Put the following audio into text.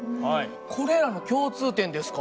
これらの共通点ですか？